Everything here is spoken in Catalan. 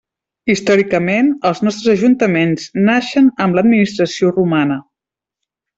Històricament, els nostres ajuntaments naixen amb l'administració romana.